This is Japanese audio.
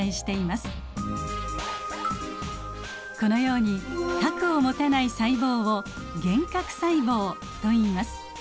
このように核を持たない細胞を原核細胞といいます。